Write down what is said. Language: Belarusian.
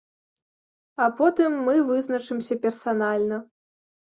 А потым мы вызначымся персанальна.